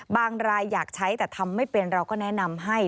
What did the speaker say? รายอยากใช้แต่ทำไม่เป็นเราก็แนะนำให้